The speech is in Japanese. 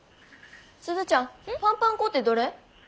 鈴ちゃんパンパン粉ってどれ？